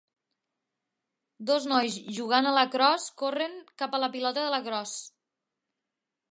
Dos nois jugant a lacrosse corren cap a la pilota de lacrosse.